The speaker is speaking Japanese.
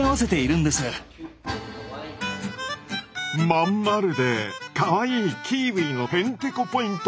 真ん丸でかわいいキーウィのへんてこポイント